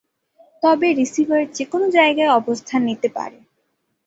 তবে রিসিভার যে কোন জায়গায় অবস্থান নিতে পারে।